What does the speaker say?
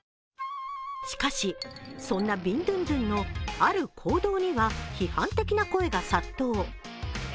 しかし、そんなビンドゥンドゥンのある行動には批判的な声が殺到。